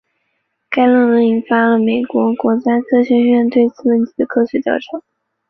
该论文引发了美国国家科学院对此问题的科学调查。